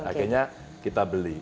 akhirnya kita beli